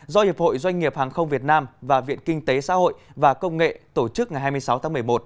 do hiệp hội doanh nghiệp hàng không việt nam và viện kinh tế xã hội và công nghệ tổ chức ngày hai mươi sáu tháng một mươi một